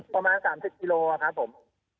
ประมาณ๓๐กิโลครับผม